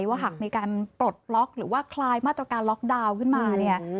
ว่าหากมีการปลดล็อกหรือว่าคลายมาตรการล็อกดาวน์ขึ้นมาเนี่ย